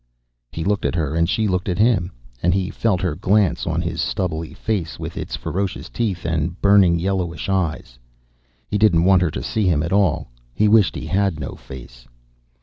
He looked at her and she looked at him, and he felt her glance on his stubbly face with its ferocious teeth and burning yellowish eyes. He didn't want her to see him at all; he wished he had no face.